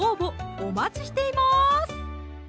お待ちしています